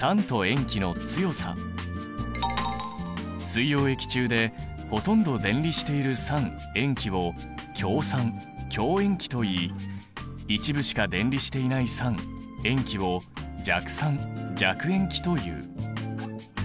水溶液中でほとんど電離している酸塩基を強酸強塩基といい一部しか電離していない酸塩基を弱酸弱塩基という。